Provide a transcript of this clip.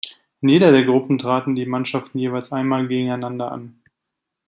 In jeder der Gruppen traten die Mannschaften jeweils einmal gegeneinander an.